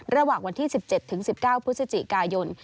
ระหว่างวันที่๑๗๑๙พฤศจิกายน